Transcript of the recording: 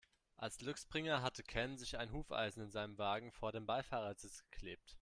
Als Glücksbringer hatte Ken sich ein Hufeisen in seinem Wagen vor den Beifahrersitz geklebt.